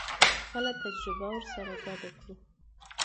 خپله تجربه ورسره ګډه کړو.